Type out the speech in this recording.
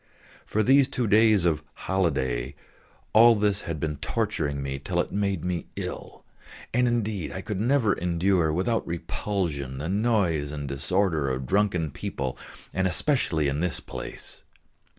For these two days of holiday all this had been torturing me till it made me ill. And indeed I could never endure without repulsion the noise and disorder of drunken people, and especially in this place.